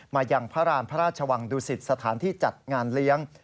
มายังพระราณพระราชวังดุสิตสถานที่จัดงานเลี้ยง